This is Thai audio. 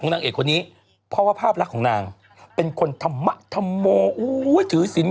แนะนำนี้กับผู้ชายหรือนี่